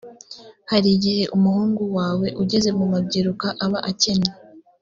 hari igihe umuhungu wawe ugeze mu mabyiruka aba akene